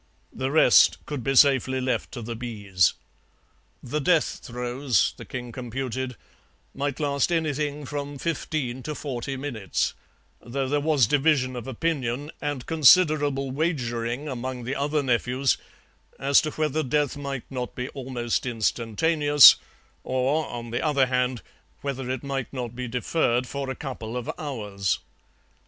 The rest could be safely left to the bees. The death throes, the king computed, might last anything from fifteen to forty minutes, though there was division of opinion and considerable wagering among the other nephews as to whether death might not be almost instantaneous, or, on the other hand, whether it might not be deferred for a couple of hours.